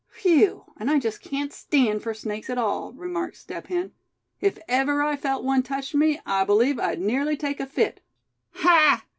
"Whew! and I just can't stand for snakes at all," remarked Step Hen. "If ever I felt one touch me, I believe I'd nearly take a fit." "Ha!